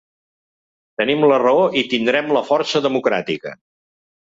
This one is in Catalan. Tenim la raó i tindrem la força democràtica.